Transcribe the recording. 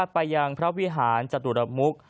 ไปยังพระวิหารจตุรมุก